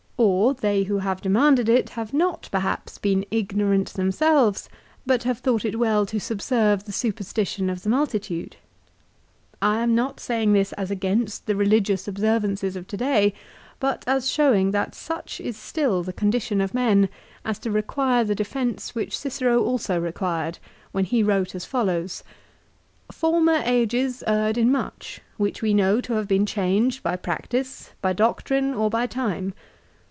Or they who have demanded it have not 364 LIFE OF CICERO. perhaps, been ignorant themselves, but have thought it well to subserve the superstition of the multitude. I am not saying this as against the religious observances of to day, but as showing that such is still the condition of men as to require the defence which Cicero also required when he wrote as follows ;" Former ages erred in much, which we know to have been changed by practice, by doctrine or by time.